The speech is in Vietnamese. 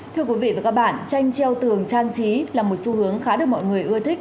thưa quý vị và các bạn tranh treo tường trang trí là một xu hướng khá được mọi người ưa thích